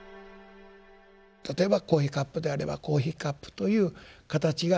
例えばコーヒーカップであればコーヒーカップという形がありますよね。